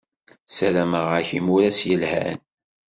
Sarameɣ-ak imuras yelhan.